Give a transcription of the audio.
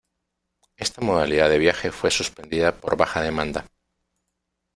Esta modalidad de viaje fue suspendida por baja demanda.